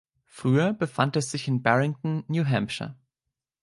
Früher befand es sich in Barrington, New Hampshire.